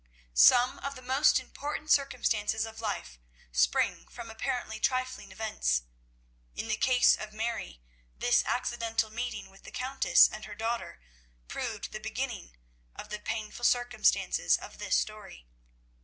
Some of the most important circumstances of life spring from apparently trifling events. In the case of Mary, this accidental meeting with the Countess and her daughter proved the beginning of the painful circumstances of this story.